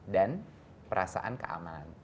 dan perasaan keamanan